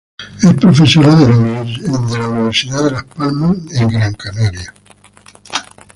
Es profesora de la Universidad de Las Palmas de Gran Canaria.